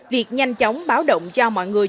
việc nhanh chóng báo động cho mọi người